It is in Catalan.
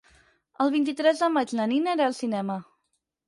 El vint-i-tres de maig na Nina irà al cinema.